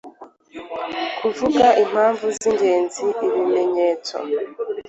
kuvuga impamvu z'ingenzi, ibimenyetso